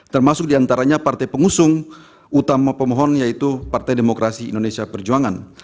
termasuk diantaranya partai pengusung utama pemohon yaitu partai demokrasi indonesia perjuangan